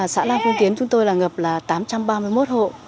xã nam phương tiến chúng tôi là ngập là tám trăm ba mươi một hộ